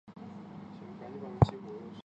在高档名牌商品的应用中尤为突出。